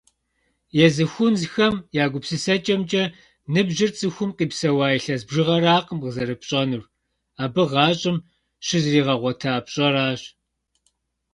Езы хунзхэм я гупсысэкӏэмкӏэ, ныбжьыр цӏыхум къипсэуа илъэс бжыгъэракъым къызэрыпщӏэнур, абы гъащӏэм щызригъэгъуэта пщӏэрщ.